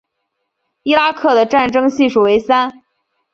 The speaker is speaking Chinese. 伊拉克的战争系数为三。